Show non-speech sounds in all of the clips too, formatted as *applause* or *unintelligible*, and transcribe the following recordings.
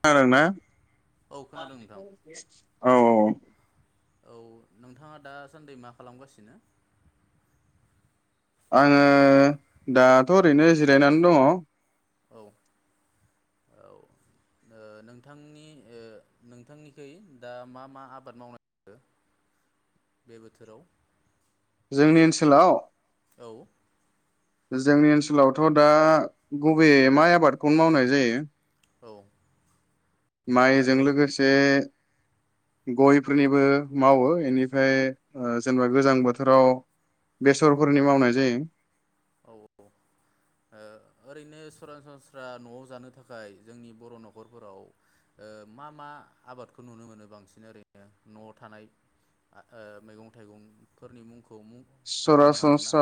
खोनादोंना औ खोनादों नोंथां *inaudible* औ औ औ नोंथाङा दासान्दि मा खालामगासिनो आङो दाथ ओरैनो जिरायनानै दङ औ औ ओ नोंथांनि ओ नोंथांनिखै दा मा मा आबाद मावनाय बे बोथोराव? जोंनि ओनसोलाव औ जोंनि ओनसोलावथ दा गुबैयै माइ आबादखौनो मावनाय जायो औ माइजों आरो लोगोसे गयफोरनिबो मावो बेनिफ्राय जेनेबा गोजां बोथोराव बेसरफोरनि मावनाय जायो औ औ ओरैनो सरासनस्रा नआव जानो थाखाय जोंनि बर नखरफोराव ओ मा मा आबादखौ नुनो मोनो बांसिन ओरैनो नआव थानाय ओ मैगं थाइगंफोरनि मुंखौ म सरासनस्रा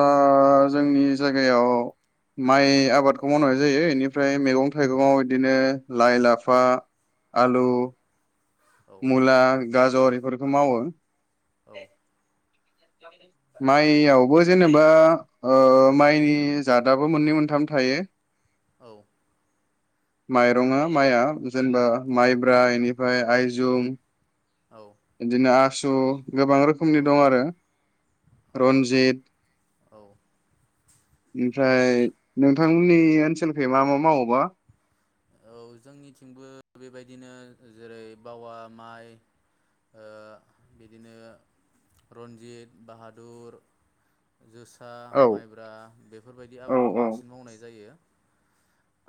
जोंनि जायगायाव माइ आबादखौ मावनाय जायो बेनिफ्राय मैगं थाइगं बिदिनो लाइ लाफा आलु औ औ मुला गाजर इफोरखौ मावो। औ माइयावबो जेनेबा ओ माइनि जादाबो मोननै मोनथाम थायो औ माइरङा माइआ जेनेबा माइब्रा एनिफ ओफ्राय आइजुम औ दिनो आ ज गोबां औ रोखोमनि दं आरो औ रनजित औ औ ओमफ्राय नोंथांमोन मोननि ओनसोलखि मा मा मावोबा? औ जोंनिथिंबो बेबायदिनो जेरै बावा माइ ओ बिदिनो रन्जित बाहादुर जोसा औ माइब्रा बेफोरबायदि आबादखौ बांसिन मावनाय जायो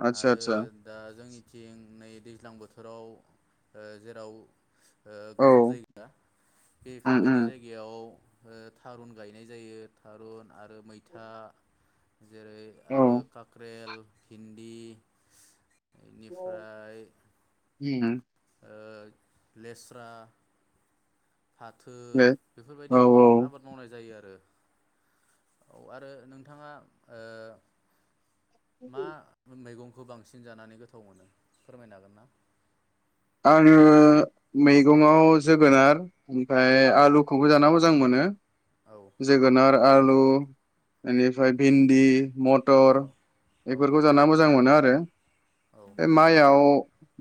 आतसा आरो आतसा दा जोंनिथिं नै दैज्लां बोथोराव ओ जेराव ओ औ गोजौ जायगा उम बेफोरबायदि उम जायगायाव ओ थारुन गायनाय जायो थारुन आरो मैथा जेरै आरो कक्रेल फिन्दी औ बेनिफ्राय उम ओ लेस्रा फाथो दे औ बेफोरबायदि औ गोबां आबाद मावनाय जायो आरो। औ आरो नोंथाङा ओ मा मैगं खौ बांसिन जानानै गोथाव मोनो फोरमायनो हागोन ना आङो मैगंआव जोगोनार ओमफ्राय औ आलुखौबो जाना मो मोजां मोनो। औ जोगोनार आलु औ बेनिफ्राय भिन्दि, मथर औ बेफोरखौ जाना मोजां मोनो आरो औ बे माइयाव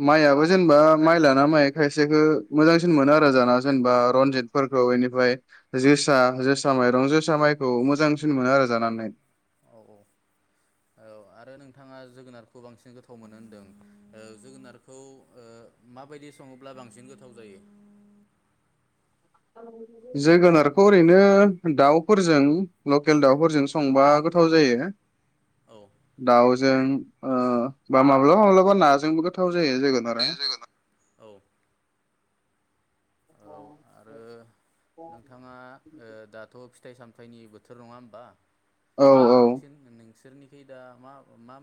माइ आबो जेनेबा माइ लाना माइ खायसेखौ मोजांसिन मोनो आरो जाना जेनेबा रनजितफोरखौ बे ओमफ्राय जोसा जोसा माइरं जोसा माइखौ मोजांसिन मोनो आरो जानानै। औ औ औ आरो नोंथाङा जोगोनारखौ बांसिन गोथाव मोनो होनदों ओ जोगोनारखौ ओ माबायदि सङोब्ला बांसिन गोथाव जायो? जोगोनारखौ ओरैनो दाउफोरजों लकेल दाउफोरजों संबा गोथाव जायो। औ दाउ जों ओ बा माब्लाबा माब्लाबा नाजोंबो गोथाव जायो जोगोन आरो औ औ आरो अ नोंथाङा ओ दाथ' फिथाइ सामथायाइनि बोथोर नङा होनोमबा औ औ *unintelligible* बिसोरनिखै दा मा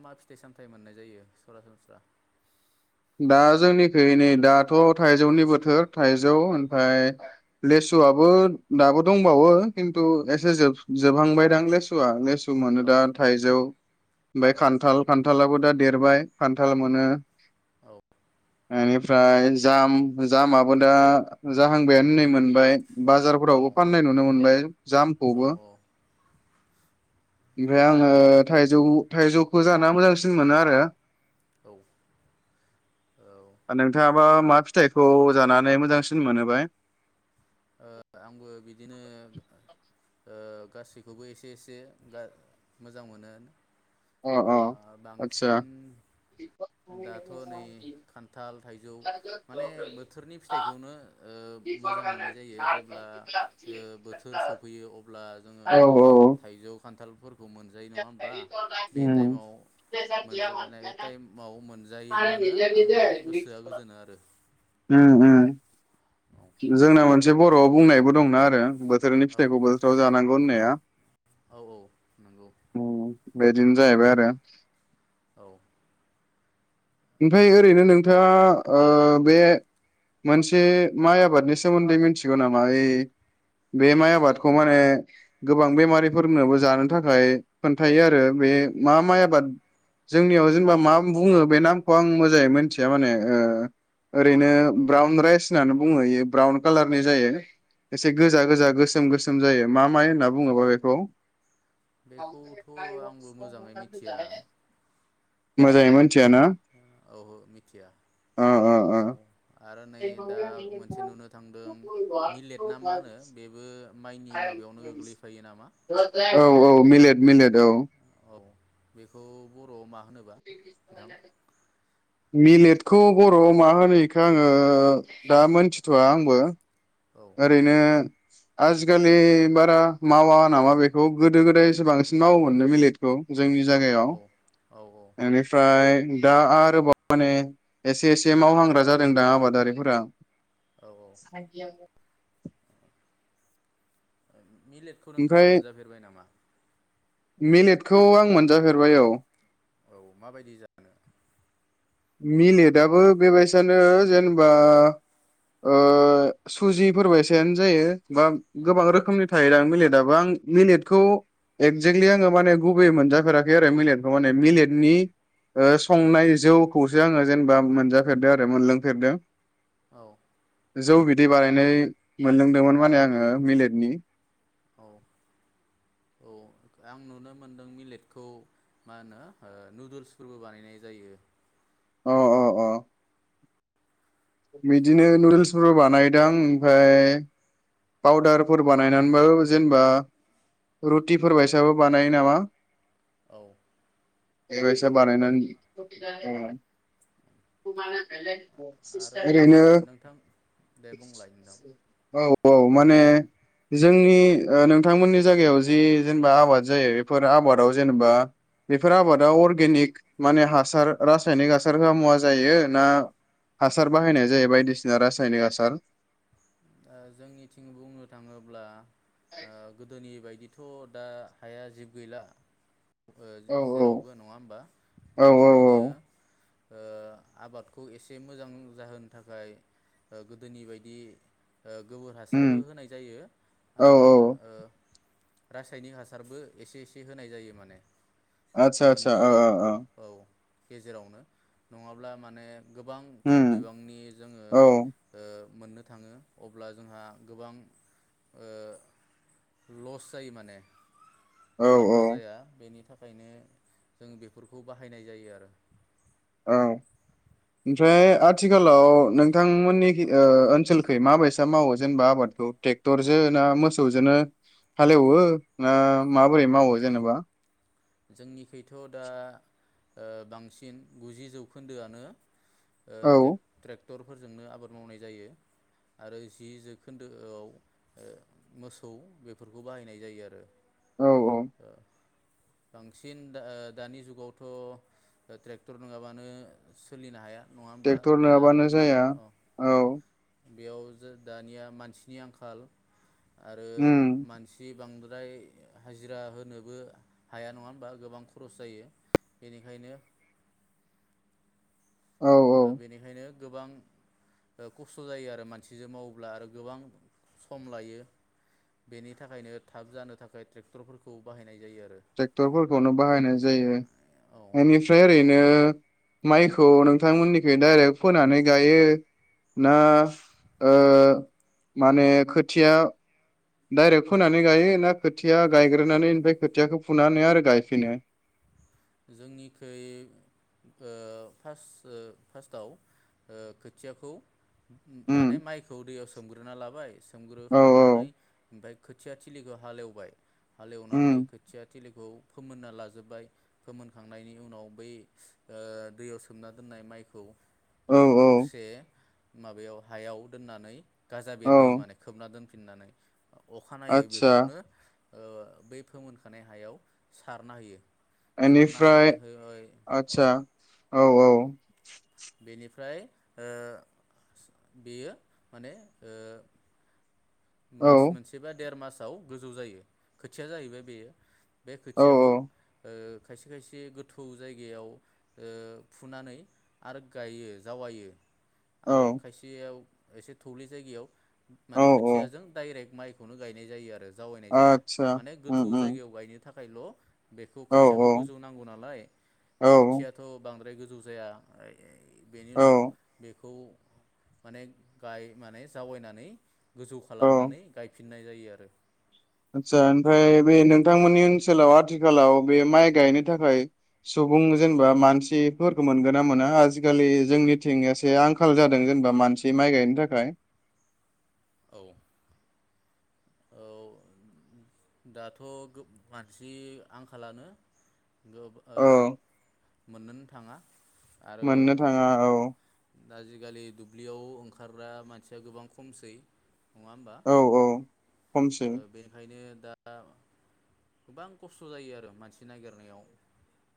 मा फिथाइ सामथाइ मोननाय जायो सरासनस्रा? दा जोंनिखै नै दाथ' थाइजौनि बोथोर थाइ थाइजौ ओमफ्राय लेसुवाबो दाबो दंबावो खिन्थु एसे जोब जोबहांबायदां लेसुआ, लेसु मोनो औ दा, थाइजौ, ओमफ्राय औ खान्थाल, खान्थालाबो दा देरबाय, खान्थाल मोनो। औ बेनिफ्राय जाम, जामाबो दा जाहांबायानो नै मोनबाय औ बाजारफोरावबो फाननाय नुनो मोनबाय। औ जामखौबो औ ओमफ्राय आङो आरो थाइजौ थाइजौखौ जाना मोजांसिन मोनो आरो। औ औ ओ नोंथाङाबा मा फिथाइखौ जानानै मोजांसिन मोनोबाय? ओ आंबो बिदिनो ओ गासैखौबो एसे एसे मोजां मोनो। अ ओ अ आदसा बांसिन दाथ' नै खान्थाल, थाइजौ माने बोथोरनि फिथाइखौनो ओ मोजां मोननाय जायो। जेब्ला ओ बोथोर सफैयो अब्ला जोङो औ औ थाइजौ खान्थालफोर मोनजायो नङा होम्बा बे उम थाइमाव मोनजानाय थाइमाव मोनजानाय जायोब्लानो आंना गोसोआ गोजोनो आरो। उम उम। औ जोंना मोनसे बर'आव बुंनायबो दंना आरो बोथ थोरनि औ फिथाइखौ बोथोराव जानांग *unintelligible* औ औ नंगौ। बेदिनो जाहैबाय आरो। औ। ओमफ्राय ओरैनो नोंथाङा ओ बे मोनसे माइ आबादनि सोमोन्दै मिथिगौ नामा ओइ बे माइ आबादखौ माने गोबां बेमारिफोरनोबो जानो थाखाय खोन्थायो आरो बे मा औ माइ आबाद? जोंनियाव जेनेबा मा बुङो बे नाम खौ आं मोजाङै मिथिया माने ओ ओरैनो औ ब्राउन राइस होननानै बुङो इयो ब्राउन कालारनि जायो। एसे औ औ गोजा-गोजा, गोसोम-गोस होनजायो मा माइ होनना बुङोबा बेखौ? बेखौथ' आंबो मोजाङै मिथिया औ मोजाङै मोनथिया ना? औहो मिथिया औ ओ आरो नै दा मोनसे नुनो थांदों मिलेट ना मा होनो बेबो माइनि माबायावनो गोग्लैफायो नामा औ औ मिलेट मिलेट औ औ बेखौ बर'आव मा होनोबा नोंथां मिलेटखौ बरआव मा होनो इखो आङो दा मोनथिथवा आंबो औ ओरैनो आजिखालि बारा मावा नामा बेखौ गोदो गोदायसो बांसिन मावोमोनलै मिलेटखौ जोंनि औ जायगायाव औ इनिफ्राय दा आरोबाव माने एसे एसे मावहांग्रा जादों दां आबादारिफोरा। औ *unintelligible* *inaudible* मिलेटखौ नोंथाङा मोनजाफेरबाय नामा मिेलेटखौ आं मोनजाफेरबाय औ औ माबायदि जानो मिलेटयाबो बेबायसानो जेनोबा ओ सुजिफोर बायसायानो जायो। बा औ गोबां रोखोमनि थायो दा मिलेदाबो आं मिलेदखौ एकजेकलि आङो माने गुबैयै मोनजाफेराखै आरो मिलेटखौ माने मिलेटनि ओ औ संनाय जौ खौसो आङो जेनेबा मोनजाफेरदों आरो मोनलोंफेरदों। औ जौ बिदै बानायनाय औ मोनलोंदोंमोन माने आङो मिलेट *inaudible* औ औ दा आं नुनो मोनदों मिलेटखौ मा होनो ओ नुदोल्सफोरबो बानायनाय जायो अ अ अ बिदिनो नुदोल्सफोरबो बानायदों ओमफ्राय पावदारफोर बानायनानैबाबो जेनेबा रुटिफोर बायसाबो बानायो नामा औ बानायो बेबायसा औ बानायो बानायनानै ओं *unintelligible* आरो *inaudible* ओरैनो नोंथां दे बुंलाय नोंथां औ औ माने जोंनि ओ नोंथांमोननि जायगायाव जि जेनेबा आबाद जायो बेफोर आबादाव जेनेबा बेफोर आबादाव अर्गेनिक माने हासार रासायनिक हासार होआ मुवा जायो ना हासार बाहायनाय जायो बायदिसिना रासायनिक हासार ओ जोंनिथिं बुंनो थाङोब्ला ओ गोदोनि बायदि थ' दा हाया जिब गैला ओ औ जेरावबो नङा होमबा औ औ औ बेनिखायनो ओ आबादखौ एसे मोजां जाहोनो थाखाय ओ गोदोनि बायदि ओ गोबोर हासारबो उम होनाय जायो औ आरो औ ओ रासायनिक हासारबो एसे एसे होनाय जायो माने आतसा आतसा ओ मोननैजों ओ ओ औ गेजेरावनो नङाब्ला माने गोबां खम उम बिबांनि जोङो औ मोननो थाङो। अब्ला जोंहा गोबां ओ लस जायो माने औ मुलाम्फा औ जाया बेनि थाख थाखायनो जों बेफोरखौ बाहायनाय जायो आरो औ ओमफ्राय आथिखालाव नोंथांमोननि ओ ओनसोलखै माबायसा मावो जेनेबा आबादखौ ट्रेक्टरजों ना मोसौजोंनो हालेवो ना माबोरै मावो जेनेबा। जोंनिखैथ दा ओ बांसिन गुजि जौखोन्दोआनो ओ औ ट्रेक ट्रेक ट्रेक्टरफोरजोंनो आबाद मावनाय जायो आरो जि जोखोन्दोआव मोसौ बेफोरखौ बाहायनाय जायो आरो। औ औ ओ बांसिन दा ओ दानि जुगावथ' ट्रेक्टर नङाबानो सोलिनो हाया। नङा होमबा ट्रेक्टर दा नङाबानो मा जाया अ उम औ। बेयाव जो दानिया मानसिनि आंखाल आरो उम मानसि बांद्रा फ्राय हाजिरा होनोबो हाया नङा होमबा गोबां खरस जायो बेनिखायनो औ औ ओ बेनिखायनो गोबां खस्थ जायो आरो मानसिजों मावोब्ला आरो गोबां सम लायो बेनि थाखायनो थाब जानो थाखाय ट्रेक्टरफोरखौ बाहाय ट्रेक्टरफोरखौनो बाहायनाय जायो औ बेनिफ्राय ओरैनो माइखौ नोंथांमोननिख डाइरेक्ट फोनानै गायो ना ओ माने खोथिया डाइरेक्ट फोनानै गायो ना खोथिया गायग्रोनानै ओमफ्राय खोथियाखौ फुनानै आरो गायफिनो? जोंनिखै ओ पास ओ फार्स्टआव खोथियाखौ माने उम माइखौ दैयाव सो सोमग्रोना लाबाय औ सोमग्रोखांनानै ओमफ्राय खोथिया थिलिखौ हा हालेवबाय उम हालेवनानै खोथिया थिलिखौ फोमोनना लाजो जोब्बाय फोमोनखांनायनि उनाव बै ओ दैयाव सोमना दोननाय माइखौ ओ औ औ हरसे माबायाव हायाव दोननानै गाजा बेरहोयो औ माने खोबना दोनफिननानै अखानायै आतसा बेखौनो ओ बै फोमोनखानाय हायाव सारना होयो। सारना है एनिफ्राय है-है औ। आतसा औ औ। बेनिफ्राय ओ बेयो माने ओ औ मास मोनसे बा देर मास आव गोजौ जायो खोथिया जाहैबाय बेयो बे औ खोथियाखौ ओ खायसे खायसे गोथौ जायगायाव ओ फुनानै आरो गायो जावायो। आरो औ खायसेयाव एसे थौललि जायगायाव औ माने खै औ खुथियाजों दाइरेक्ट माइ बेखौनो गायनाय जायो आरो जावयायनाय जाया आतसा माने उम गोथौ उम जायगायाव गायो थाखायल' बेखौ औ खोथियाखौ गोजौ नांगौ नालाय औ खोथियाथ बांद्राय गो जुसाया आय आय बेनि औ उनाव बेखौ माने गाय माने जावैयनानै गोजौ खालामनानै गायफि नाय जायो आरो आतसा ओमफाय बे नोंथांमोननि ओनसोलाव आथिखालाव बे माइ गायनो थाखाय सुबुं जेनेबा मानसिफोरखौ मोनगोन ना मोना? आजिखालि जोंनिथिं एसे आंखाल जादों जेनेबा मानसि माइ गायनो थाखाय। औ। औ दाथ' गोब मानसि आंखालानो। गब आ। औ मोननोनो थाङा आरो मोननो थाङा औ आजिखालि लियाव ओंखारग्रा मानसिया गोबां खमसै। नङा होमबा? औ औ खमसै ओ बेनिखायनो दा गोबां खस्थ जायो आरो मानसि नागिरनायाव।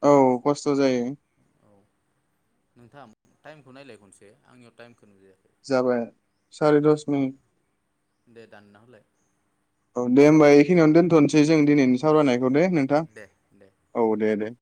औ खस्थ जायो। औ नोंथां टाइमखौ नायलाय खनसेै आंनियाव टाइमखौ नुजाया जाबाय सार दस मिनिट। दे दान होलां‌लाय औ दे होनबा बेखिनियावनो दोनथसै दे जों दिनैनि औ सावरायनायखौ दे नोंथां दे दे औ दे दे।